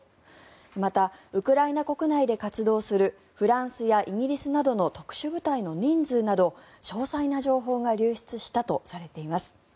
また、ウクライナ国内で活動するフランスやイギリスなどの特殊部隊の人数など詳細な情報が流出したとされています。